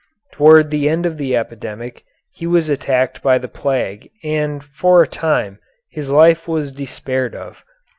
Toward the end of the epidemic he was attacked by the plague and for a time his life was despaired of.